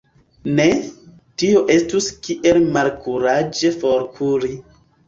Ne, tio estus kiel malkuraĝe forkuri.